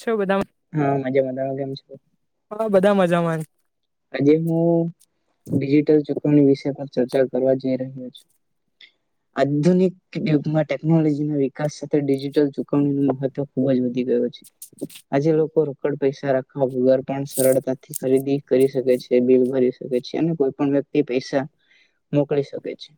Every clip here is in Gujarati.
છે બધા [inaudible] હા મજામાં તમે કેમ હા બધા મજામાં હજી હું ડિજિટલ વિષય પર ચર્ચા કરવા જઈ રહ્યો છે. આધુનિક યુગમાં ટેકનોલોજીનુ વિકાસ એ ડિજિટલ ચુકવણીનું મહત્વ ખુબ જ વધી ગયુ છે, આજે લોકો રોકડ પૈસા રાખે વગર પણ સરળતાથી ખરીદી કરી શકે છે, બિલ ભરી શકે છે, અને કોઈ પણ વ્યક્તિ પૈસા મોકલી શકે છે.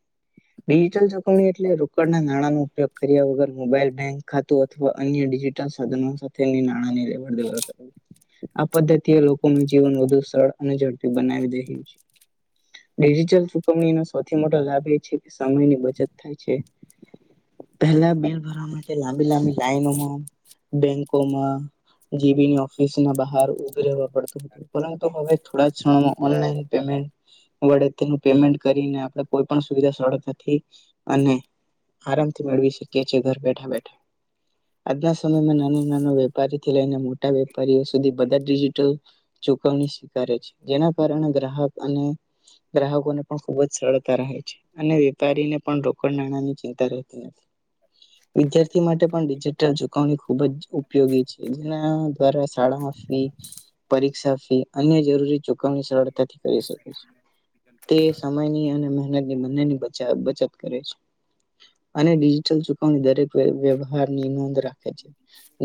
[inaudible] ડિજિટલ ચકવણી એટલે રોકડ ના નાણાંનો ઉપયોગ કર્યા વગર મોબાઈલ બેંક ખાતું અથવા ડિજિટલ સાધનો સાથે નાણાની લેવડદેવડ આ પદ્ધતિએ લોકો જીવન વધુ સરળ અને ઝડપી બનાવી રહ્યું છે. ડિજિટલ ચુકવણીનો સૌથી મોટો લાભ એ છે, કે સમયની બચત થાય છે પેલા બીલ ભરવા માટે લાંબી લાંબી લાઈનોમાં બેંકોમાં જીબીની ઓફિસ ના બહાર ઉભી રહેવા પડતુ પરંતુ હવે થોડા ક્ષણોમાં ઓનલાઈન પેમેન્ટ વડે તેનું પેમેન્ટ કરીને આપણે કોઈ પણ સુવિધા સળ નથી અને આરામથી મેળવી શકીએ છીએ ઘર બેઠા બેઠા આજના સમયમાં નાનો નાનો વેપારીથી લઈને મોટા વેપારીઓ સુધી બધા ડિજિટલ ચુકવણી સ્વીકારે છે જેના કારણે ગ્રાહક અને ગ્રાહકો નો પણ ખુબ જ સરળતા રહે છે અને વેપારીને પણ રોકડ નાણાંની ચિંતા રહેતી નથી [inaudible] વિદ્યાર્થી માટે પણ ડિજિટલ ચુકવણી ખુબ જ ઉપયોગી છે જેના દ્વારા શાળામાં ફી પરીક્ષા ફી અન્ય જરૂરી ચુકવણી સરળતાથી કરી શકે છે તે સમયની અને મહેનતની બંનેની બ બચત કરે છે અને ડિજિટલ ચુકવણી દરેક વ્યવહારની નોંધ રાખે છે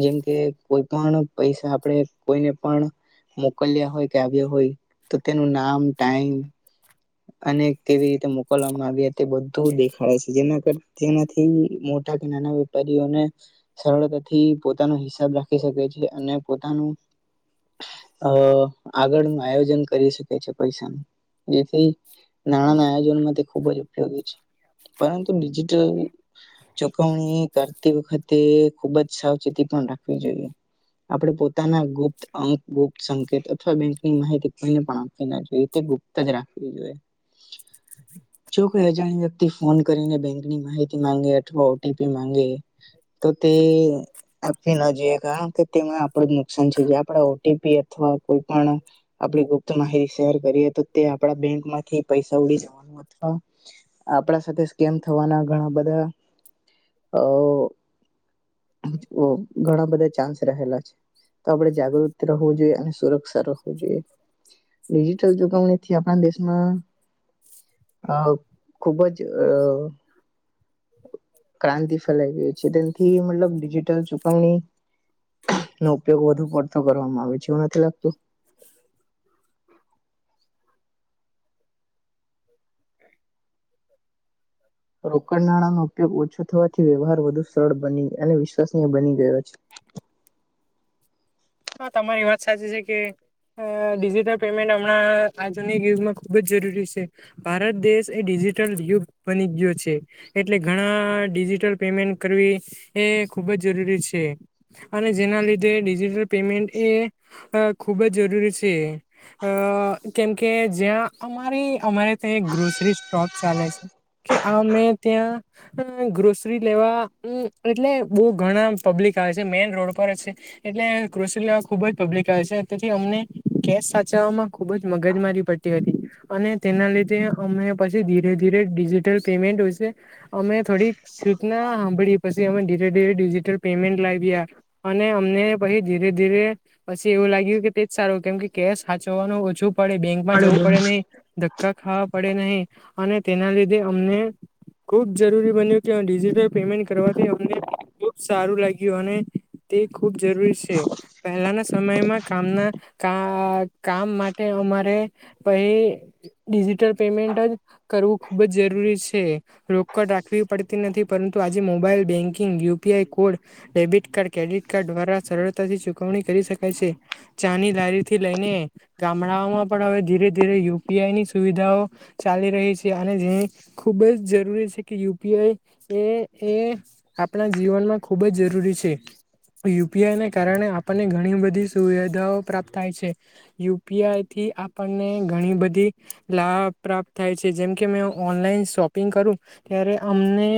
જેમકે કોઈ પણ પૈસા આપડે કોઈને પણ મોકલ્યા હોય કે આવ્યો હોય તો તેનું નામ ટાઈમ અને કેવી રીતે મોકલવામાં આવ્યા તે બધું દેખાડ છે જેના કર જેનાથી નાના વેપારીઓને સરળતાથી પોતાનો હિસાબ રાખી શકે છે અને પોતાનું અ આગળ નું આયોજન કરી શકે છે પૈસાનું જેથી જીવન મા તે ખુબ જ ઉપયોગી છે પરંતુ ડિજિટલ ચુકવણી કરતી વખતે તે ખુબ જ સાવચેતી પણ રાખવી જોઈએ આપડે પોતાના ગુપ્ત અંક ગુપ્ત સંકેત અથવા બેંકની માહિતી કોઈને પણ આપવી ના જોઈએ તે ગુપ્ત જ રાખવી જોઈએ જો કોઈ અજાન્યુ વ્યક્તિ ફોન કરીને બેંકની માહિતી માંગે અથવા ઓટીપી માંગે તો તે આપવી ના જોઈએ કારણ કે તેમાં આપડું જ નુકસાન છે જે આપડે ઓટીપી અથવા કોઈ પણ આપડી ગુપ્ત માહિત શેર કરીએ તો તે આપના બેંક માંથી પૈસા ઉડી જવાનું અથવા આપણા સાથે સ્કેમ થવાના ઘણા બધા અ ઘણા બધા ચાન્સ રહેલા છે તો આપણેે જાગૃતિ રહેવું જોઈએ અને સુરક્ષા રાખવું જોઈએ ડિજિટલ જુગવણીથી આપણા દેશમાં અ ખુબ જ અ ક્રાંતિ ફેલાઈ ગઈ છે તેથી મતલબ ડિજિટલ ચુકવણી નો ઉપયોગ વધુ પડતો કરવામાં આવે છે એવું નથી લાગતું [inaudible] [inaudible] રોકડ નાણાંનો ઉપયોગ ઓછો થવાથી વ્યવહાર વધુ સરળ બની અને વી સ બની ગયો છે હા તમારી વાત સાચી છે કે અ ડિજિટલ પેમેન્ટ હમણાં આજ યુગમાં ખુબ જ જરૂરી છે ભારત દેશ એ ડી ડિજિટલ યુગ બની ગયો છે એટલે ઘણા ડિજિટલ પેમેન્ટ કરવી એ ખૂબ જ જરૂરી છે અને જેના લીધે ડિજિટલ પેમેન્ટ એ ખૂબ જ જરૂરી જરૂરી છે કેમકે જ્યાં અમારી અમારે ત્યાં એક ગ્રોસરી સ્ટોપ ચાલે છે કે આ મેં ત્યાં ગ્રોસરી લેવા હમ્મ એટલે બો ઘણા પબ્લિક આવે છે મેઈન રોડ પર જ છે એટલે ગ્રોસરી લેવા ખુબ જ પબ્લિક આવે છે તેથી અમ ને કેશ સાચવામાં ખુબ જ મગજ મારી પડતી હતી અને તેના લીધે અમે પછી ધીરે ધીરે ડિજિટલ પેમેન્ટ વિષ અમે થોડીક સૂચના હાંભળી પછી અમે ડીજી [unintelligible] ડિજિટલ પેમેન્ટ લાવ્યા અને અમને પશી ધીરે ધીરે પશી એવું લાગ્યું કે એ જ સારું કેમ કે કેશ હાચવાનું ઓછું પડે બેંકમાં જવું પડે નહી ધક્કા ખાવ પડે નહીં અને તેના લીધે અમને ખુબ જરૂરી બન્યું કે ડિજિટલ પેમેન્ટ કરવાથી અમને ખુબ સારું લાગ્યું અને તે ખુબ જરૂરી છે પહેલાના સમયમાં કામના કા કામ માટે અમારે પહી ડિજિટલ પેમેન્ટ જ કરવું ખુબ જ જરૂરી છે રોકડ રાખવી પડતી નથી. પરંતુ આજે mobile banking UPI code debit card credit card દ્વારા સરળતાથી ચુકવણી કરી શકાય છે. ચાનીદારી થી લઈને ગામડાઓમાં પણ હવે ધીરે ધીરે યુ પી આઈ ની સુવિધાઓ ચા ચાલી રહી છે અને જે ખુબ જ જરૂરી છે કે યુ પી આઈ એ એ આપણા જીવનમાં ખુબ જ જરૂરી છે. યુ પી આઈને કારણે આપણને ઘણી બધી સુવિધાઓ પ્રાપ્ત થાય છે યુપીઆઈથી આપણને ઘણી બધી લાભ પ્રાપ્ત થાય છે જેમકે મેં ઓનલાઈન શોપિંગ કરું ત્યારે અમને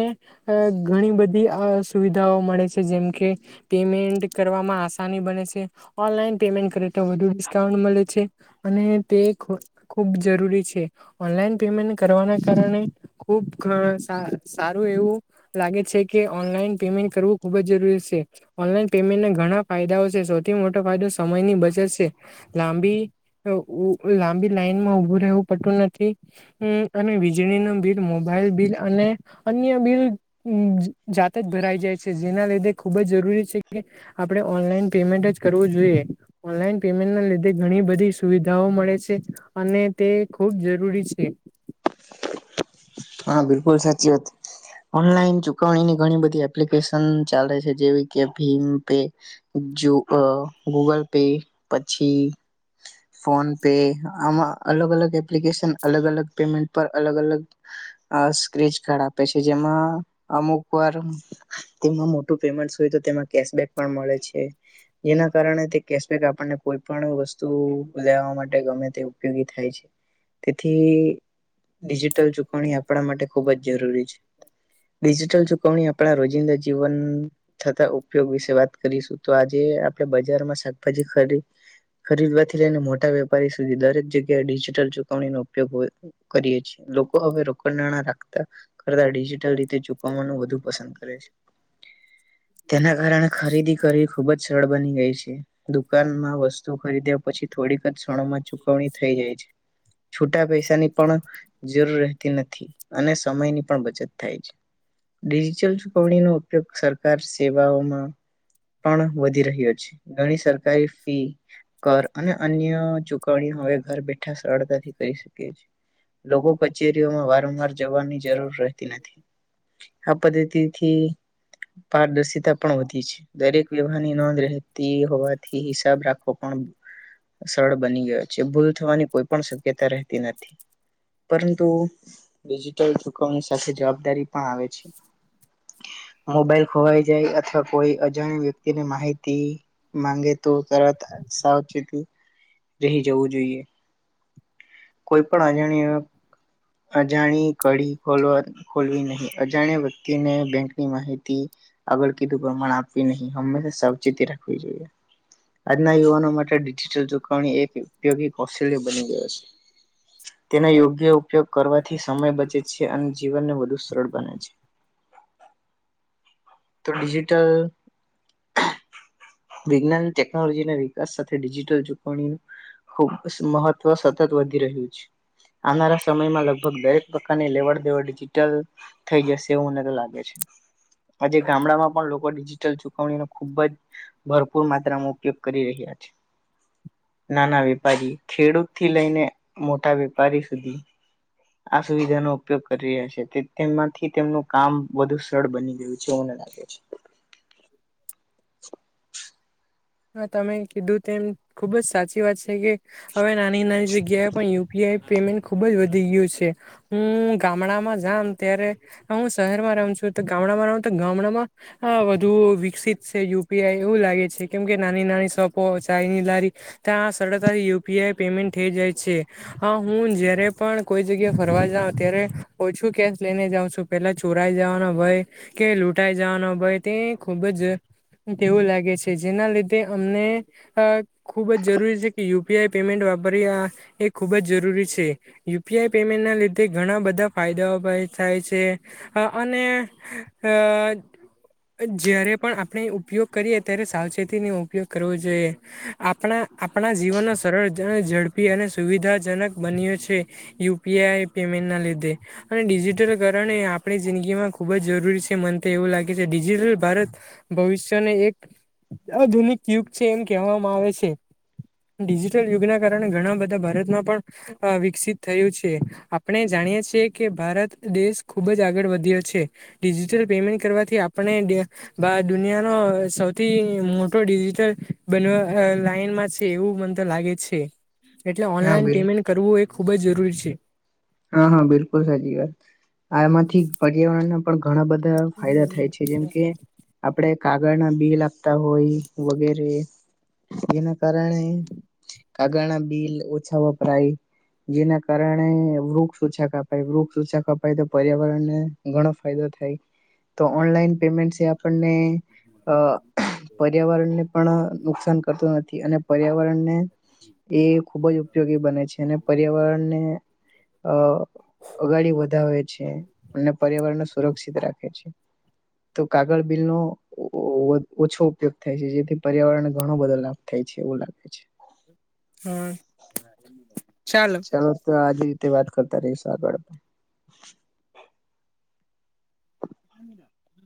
ઘણી બ ધી સુવિધાઓ મળે છે જેમકે પેમેન્ટ કરવામાં આસાની બને છે ઓનલાઈન પેમેન્ટ કરે તો વધુ ડિસ્કાઉન્ટ મળે છે અને તે ખૂ ખૂબ જરૂરી છે. ઓનલાઈન પેમેન્ટ કરવાના કારણે ખુબ ખ સા સારું એવું લાગે છે. કે ઓનલાઈન પેમેન્ટ કરવું ખૂબ જ જરૂરી છે ઓનલાઈન પેમેન્ટના ઘણા ફાયદાઓ છે સૌથી મોટો ફાયદો સમયની બચત છે લાંબી લાંબી લાઈનમાં ઉભું રહેવું પડતું નથી. અને વીજળી નુ બિલ મોબાઈલ બિલ અને અન્ય બિલ જાતે જ ભરાઈ જાય છે જેના લીધે ખુબ જ જરૂરી છે કે આપણે ઓનલાઈન પેમેન્ટ જ કરવું જોઈએ. ઓનલાઈન પેમેન્ટના લીધે ઘણી બધી સુવિધાઓ મળે છે અને તે ખુબ જરૂરી છે. હા બિલકુલ સાચી વાત ઓનલાઈન ચુકવણીની ઘણી બધી એપ્લિકેશન ચાલે છે જેવી કે ભીમ પે જો અ ગૂગલ પે પછી ફોન પે આમાં અલગ અલગ એપ્લિકેશન અલગ અલગ પેમેન્ટ પર અલગ અલગ [inaudible] અ સ્ક્રેચ કાર્ડ આપે છે જેમાં અમુક વાર તેમાં મોટું પેમેન્ટ હોય તો તેમાં કેશબેક પણ મળે છે જેના કાર આપ કોઈ પણ વસ્તુ જાવા માટે ગમે તે ઉપયોગ થાય છે તેથી ડીજીટલ પણ‌ એ આપણા માટે ખુબ જ જરૂરી છે. ડિજિટલ ચુકવણી આપણા રોજિંદા જીવન થતા ઉપયોગ વિશે વાત કરીશું તો આજે આપડે બજારમાં શાકભાજી ખરી ખરીદવાથી લઈને મોટા વેપારી સુધી દરેક જગ્યાએ ડિજિટલ ચુકવણી નો ઉપયોગ કરીએ છીએ લો લોકો હવે રોકડ નાણા રાખતા કરતા ડિજિટલ રીતે ચૂકવવાનું વધુ પસંદ કરે છે. [inaudible] તેના કારણે ખરીદી કરી ખુબ જ સરળ બની ગઈ છે દુકાનમાં વસ્તુ ખરીદ્યા પછી થોડી ક ક્ષષણોમાં ચુકવણી થઈ જાય છે છૂટા પૈસાની પણ જરૂર રહેતી નથી અને સમયની પણ બચત થાય ડિજિટલ ચુકવણીનો ઉપયોગ સરકાર સેવાઓમાં પણ વધી રહ્યો છે ઘણી સર કારી ફી કર અને અન્ય ચુકવણી હવે ઘર બેઠા સરળતાથી કરી શકીએ. લોકો કચેરીઓમાં વારંવાર જવાની જરૂર રહેતી નથી. આ પદ્ધતિથી પારદર્શિતા પણ વધી છે દરેક વ્યવહારની નોંધ રહેતી હોવાથી હિસાબ રાખવો પણ સરળ બની ગયો છે ભૂલ થવાની કોઈ પણ શક્યતા રહેતી નથી. પરંતુ ડિજિટલ ચુકવણી સાથે જવાબદારી પણ આવે છે. [inaudible] મોબાઈલ ખોવાઈ જાય અથવા કોઈ અજાણ વ્યક્તિની માહિતી માંગે તો તરત સાવચેતી રહી જવું જોઈએ. કોઈ અજાણયા [inaudible] અજાણી કડી ખોલવા ખોલવી નહી અજાણ્યા વ્યક્તિને બેંકની માહિતી આગળ કીધું પ્રમાણ આપવી નહીં હંમેશા સાવચેતી રાખવી જોઈએ આજના યુવાનો માટે ડિજિટલ ચકવણીગ કૌશલ્ય બની ગયો છે તેના ઉપયોગ કરવાથી સમય બચે છે અને જીવનને વધુ સરળ બને છે. તો ડિજિટલ વિજ્ઞાન ટેકનોલોજી ના વિકાસ સાથે ડિજિટલ ચુકવણી ખુબ મહત્વ સતત વધી રહ્યું છે. આવનારા સમયમાં લગભગ દરેક પ્રકારની લેવડ દેવડ ડિજિટલ થઈ જશે એવું મને તો લાગે છે. આજે ગામડામાં પણ લોકો ડિજિટલ ચુકવણીનો ખુબ જ ભરપૂર માત્રામાં ઉપયોગ કરી રહ્યા છે. [inaudible] નાના વેપારી ખેડૂત થી લઈને મોટા વેપારી સુધી આ સુવિધાનોો ઉપયોગ કરી રહ્યા છે તેમાંથી તેમનું કામ વધુ સરળ બની ગયું છે. [unintelligible] છે. [inaudible] હા તમે કીધું તેમ ખુબ જ સાચી વાત છે કે હવે નાની નાની જગ્યાએ પણ યુપીઆઈ પેમેન્ટ ખુબ જ વધી ગયું છે હું ગામડામાં જામ ત્યારે હું શહેરમાં રમ છું. ગામડામાં તો ગામડામાં વધુ વિકસિત છે યુપીઆઈ એવું લાગે છે. કેમ કે નાની નાની સોપો ચાયની લારી ત્યાં સરળતાથી યુપીઆઈ પેમેન્ટ થઈ જાય છે. હા હું જયારે પણ કોઈ જગ્યા ફરવા જાઉ ત્યારે ઓછું કેસ લઈને જઉં છું પેલા ચોરાઈ વા હોય કે લૂંટાઈ જવાનો હોય તે ખુબ જ કેવું લાગે છે. જેના લીધે અમને ખુબ જ જરૂરી છે કે યુપીઆઈ પેમેન્ટ વાપરી ખુબ જ જરૂરી છે યુપીઆઈ પેમેન્ટ ના લીધે ઘણા બધા ફાયદાઓ પન થાય છે. અને અ જ્યારે પણ આપણે ઉપયોગ કરીએ ત્યારે સાવચેતી નો ઉપયોગ કરવો જોઈએ આપણા આપણા જીવનનો સરળ ઝડપી અને સુવિધાજનક બન્યો છે યુપીઆઈ પેમેન્ટના લીધે અને ડિજિટલ કારણે આપણી જિંદગીમાં ખૂબ જરૂરી છે મન તે એવું લાગે છે ડિજિટલ ભારત ભવિષ્યને એક આધુનિક યુગ છે એમ કહેવામાં આવે છે. ડિજિટલ યુગના કારણે ઘણા બધા ભારતમાં પણ વિકસિત થયું છે આપણે જન ણી કે ભારત દેશ ખૂબ જ આગળ વધ્યો છે ડિજિટલ પેમેન્ટ કરવાથી આપણે બા દુનિયા સૌ મોટો ડિજિટલ બનવા લાઈનમાં છે એવું મને તો લાગે છે. એટલે હા ઓનલાઈન બિલ પેમેન્ટ કરવું એ ખૂબ જ જરૂરી છે. હા હા બિલકુલ સાચી વાત આમાંથી પર્યાવરણ ના પણ ઘણા બધા ફાયદા થાય છે જેમ કે આપડે કાગળના બી લાગતા હોય વગેરે એના કારણે કાગળ ના બિલ ઓછા વપરાય જેના કારણે વૃક્ષ ઓછા કપાય વૃક્ષછા કપાય તો પર્યાવરણ ને ઘણો ફાયદો થાય. તો ઓનલાઈન પેમેન્ટ છે આપણને અ પર્યાવરણને પણ નુકસાન કરતું નથી. અને પર્યાવરણને એ ખૂબ જ ઉપયોગી બને છે અને પર્યાવરણને અ અગાડી વધાવે છે અને પર્યાવરણ સુરક્ષિત રાખે છે. તો કાગળ બિલ નો ઓછો ઉપયોગ થાય છે જેથી પર્યાવરણને ઘણો બધો લાભ થાય છે એવું લાગે છે. [inaudible] ચાલો તો આજ રીતે વાત કરતા રહીશું આગળ [unintelligible]